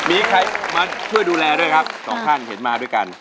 มีใครมาช่วยดูแลด้วยครับสองท่านเห็นมาด้วยกัน